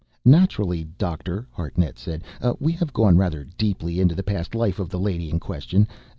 "Naturally, Doctor," Hartnett said, "we have gone rather deeply into the past life of the lady in question.